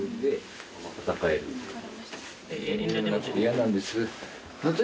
「嫌なんです！」